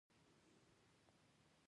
زه د غرونو د سرونو نه ښکلي منظره ګورم.